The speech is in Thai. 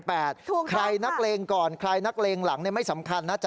ถูกครับใครนักเลงก่อนใครนักเลงหลังไม่สำคัญ